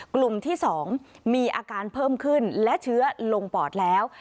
กลุ่มที่๒มีอาการเพิ่มขึ้นและเชื้อลงปอดแล้ว